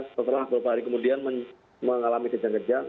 setelah beberapa hari kemudian mengalami kejahat kejahat